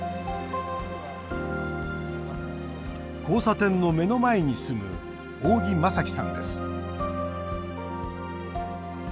交差点の目の前に住む大木真樹さんです。